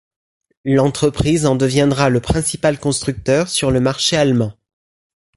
L'entreprise en deviendra le principal constructeur sur le marché allemand.